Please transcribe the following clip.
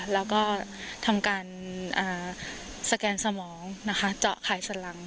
แล้วก็ทำการสแกนสมองนะคะเจาะขายสลัง